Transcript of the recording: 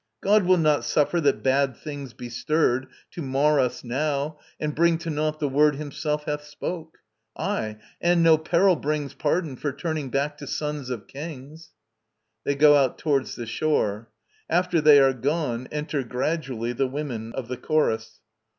God will not suffer that bad things be stirred To mar us now, and bring to naught the word Himself hath spoke. Aye, and no peril brings Pardon for turning back to sons of kings. [They go out towards the shore. After they are gone, enter gradually the WOMEN] OF THE CHORUS.